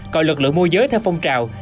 còn lực lượng môi giới theo phong trào